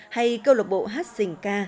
hay cơ lộc bộ hát sỉnh ca